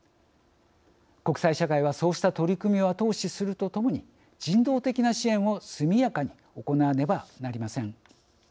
国際社会はそうした取り組みを後押しするとともに人道的な支援を速やかに行わねばなりません。